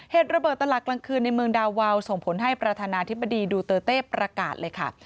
เหตุระเบิดตลาดกลางคืนในเมืองดาวาวส่งผลให้ประธานาธิบดีดูเตอร์เต้ประกาศเลยค่ะ